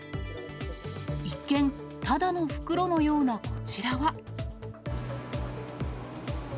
一見、ただの袋のようなこちらは。